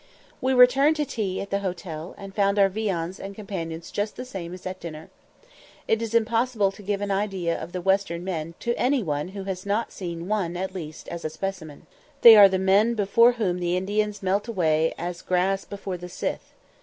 We returned to tea at the hotel, and found our viands and companions just the same as at dinner. It is impossible to give an idea of the "western men" to any one who has not seen one at least as a specimen. They are the men before whom the Indians melt away as grass before the scythe.